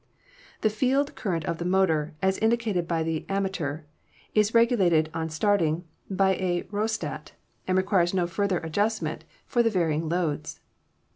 The field current of the motor, as indicated by the ammeter, is regulated, on starting, by a rheostat, and requires no further adjustment for the varying loads.